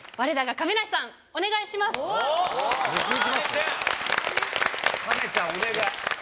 亀ちゃんお願い。